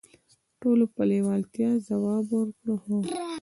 ټولو په لیوالتیا ځواب ورکړ: "هو".